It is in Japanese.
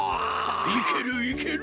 いけるいける！